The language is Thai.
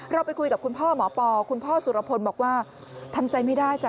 เราไปคุยกับคุณพ่อหมอปอคุณพ่อสุรพลบอกว่า